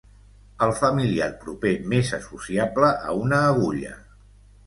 El familiar proper més associable a una agulla.